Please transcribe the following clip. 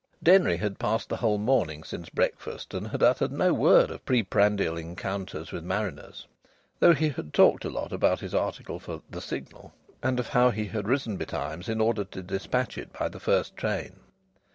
Denry had passed the whole morning since breakfast and had uttered no word of pre prandial encounters with mariners, though he had talked a lot about his article for the Signal and of how he had risen betimes in order to despatch it by the first train.